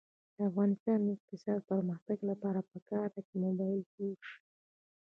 د افغانستان د اقتصادي پرمختګ لپاره پکار ده چې موبلایل جوړ شي.